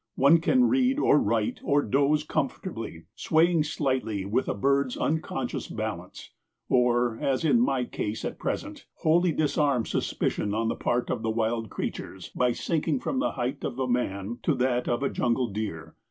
One can read or write or doze comfortably, swaying slightly with a bird's unconscious balance, or, as in my case at present, wholly disarm suspicion on the part of the wild creatures by sinking from the height of a man to that of a jungle deer.